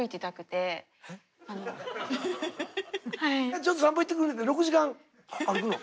「ちょっと散歩行ってくる」って６時間歩くの？